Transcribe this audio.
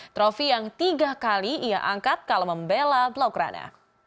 trofi yang tiga kali ia angkat kalau membela blograna